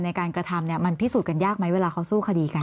ในการกระทำมันพิสูจน์กันยากไหมเวลาเขาสู้คดีกัน